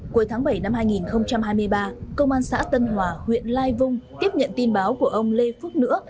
cuối tháng bảy năm hai nghìn hai mươi ba công an xã tân hòa huyện lai vung tiếp nhận tin báo của ông lê phước nữa